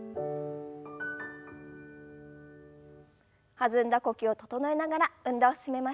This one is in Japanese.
弾んだ呼吸を整えながら運動を進めましょう。